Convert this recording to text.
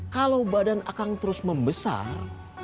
kalau badan akan terus membesar